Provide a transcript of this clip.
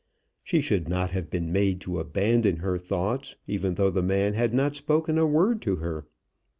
She should not have been made to abandon her thoughts, even though the man had not spoken a word to her.